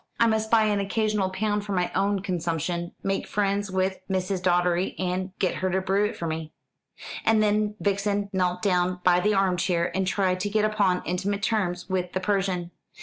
"I must buy an occasional pound for my own consumption, make friends with Mrs. Doddery, and get her to brew it for me." And then Vixen knelt down by the arm chair and tried to get upon intimate terms with the Persian.